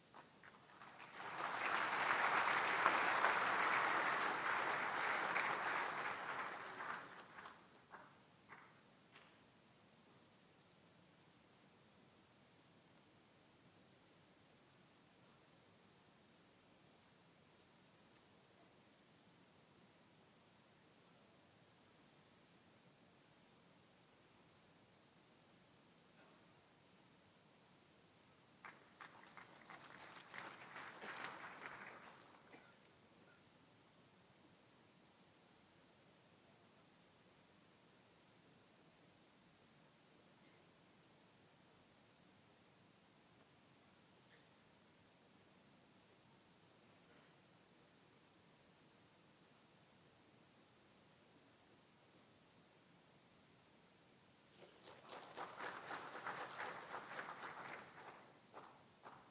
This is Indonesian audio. disilakan menuju meja penanda tanganan